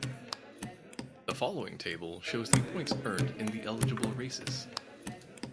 The following table shows the points earned in the eligible races.